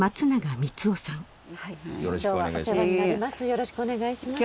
よろしくお願いします。